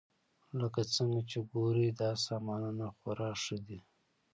لکه څنګه چې ګورئ دا سامانونه خورا ښه دي